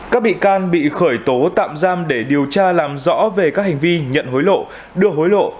các bị can bị khởi tố tạm giam để điều tra làm rõ về các hành vi nhận hối lộ đưa hối lộ